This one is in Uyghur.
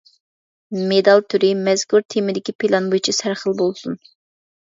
مېدال تۈرى مەزكۇر تېمىدىكى پىلان بويىچە سەرخىل بولسۇن.